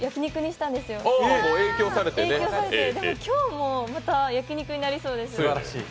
影響されて、でも今日もまた焼肉になりそうです。